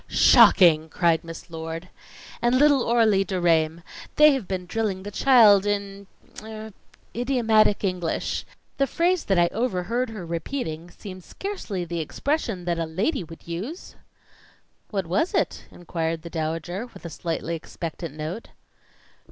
"Shocking!" cried Miss Lord. "And little Aurelie Deraismes they have been drilling the child in er idiomatic English. The phrase that I overheard her repeating, seemed scarcely the expression that a lady would use." "What was it?" inquired the Dowager, with a slightly expectant note.